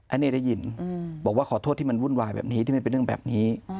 อันนี้ได้ยินบอกว่าขอโทษที่มันวุ่นวายแบบนี้ที่มันเป็นเรื่องแบบนี้